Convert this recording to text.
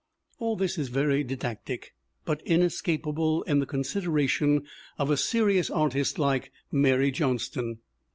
All this is very didactic but inescapable in the con sideration of a serious artist like Mary Johnston.